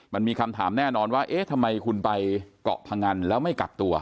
มันมีคำถามแน่นอนว่าเอ๊ะทำไมคุณไปเกาะพงันแล้วไม่กักตัว